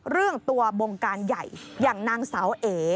เรื่องตัวบงการใหญ่อย่างนางสาวเอ๋